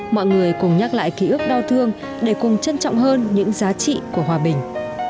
mọi người cùng nhắc lại ký ức đau thương để cùng trân trọng hơn những giá trị của hòa bình